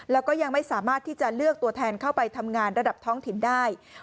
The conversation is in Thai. แล้วก็ยังไม่สามารถที่จะเลือกตัวแทนเข้าไปทำงานระดับท้องถิ่นได้